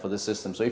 untuk sistem ini